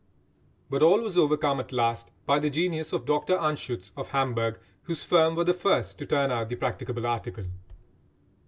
But all was overcome at last by the genius of Dr Anschutz, of Hamburg, whose firm were the first to turn out the practicable article.